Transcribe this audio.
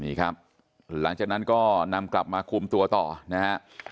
นี่ครับหลังจากนั้นก็นำกลับมาคุมตัวต่อนะฮะ